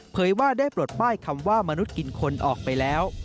ว่าได้ปลดป้ายคำว่ามนุษย์กินคนออกไปแล้ว